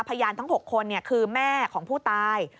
พยานทั้ง๖คนคือแม่ของผู้ตาย